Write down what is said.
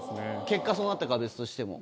結果そうなったかは別としても。